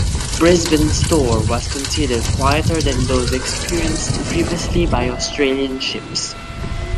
"Brisbane"s tour was considered quieter than those experienced previously by Australian ships.